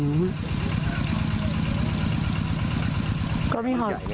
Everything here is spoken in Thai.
แสงใหญ่มั้ยคะ